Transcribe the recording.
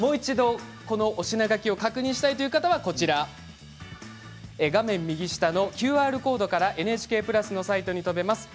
推し名書きを確認したい方はこちら画面右下のＱＲコードからＮＨＫプラスのサイトに飛べます。